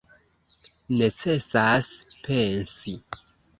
Necesas pensi.